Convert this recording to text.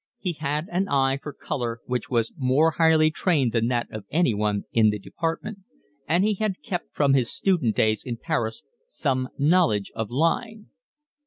He had an eye for colour which was more highly trained than that of anyone in the department, and he had kept from his student days in Paris some knowledge of line.